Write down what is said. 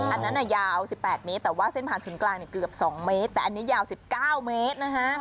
อันนั้นยาว๑๘เมตรแต่ว่าเส้นผ่านศูนย์กลางเกือบ๒เมตรแต่อันนี้ยาว๑๙เมตรนะฮะ